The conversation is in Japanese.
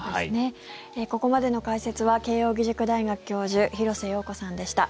ここまでの解説は慶應義塾大学教授廣瀬陽子さんでした。